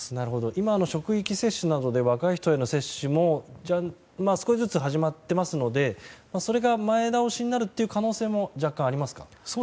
今の職域接種などで若い人への接種も少しずつ始まっていますのでそれが前倒しになる可能性も若干、ありますか？